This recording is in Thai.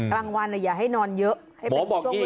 กลางวันอย่าให้นอนเยอะให้เป็นช่วงเวลา